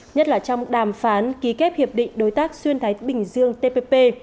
nhất là trong đàm phán ký kết hiệp định đối tác xuyên thái bình dương tpp